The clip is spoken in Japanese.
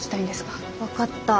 分かった。